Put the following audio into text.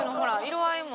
色合いも。